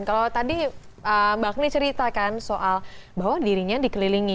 kalau tadi mbak akni cerita kan soal bahwa dirinya dikelilingi